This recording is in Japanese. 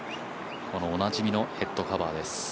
このおなじみのヘッドカバーです。